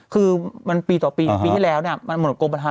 คือปีต่อปีที่แล้วมันหมดกรมประธานไปละ๑หนึ่งเจ้า